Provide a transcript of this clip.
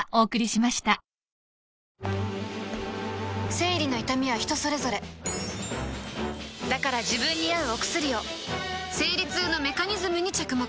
生理の痛みは人それぞれだから自分に合うお薬を生理痛のメカニズムに着目